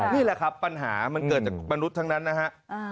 นี่แหละครับปัญหามันเกิดจากมนุษย์ทั้งนั้นนะฮะ